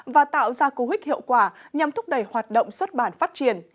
và tạo ra cố huyết hiệu quả nhằm thúc đẩy hoạt động xuất bản phát triển